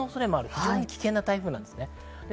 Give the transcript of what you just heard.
非常に危険な台風なんです。